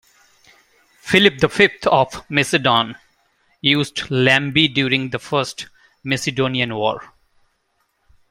Philip the Fifth of Macedon used lembi during the First Macedonian War.